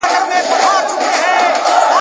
ښځه یم، کمزورې نه یم..